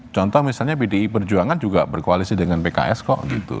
contoh misalnya pdi perjuangan juga berkoalisi dengan pks kok gitu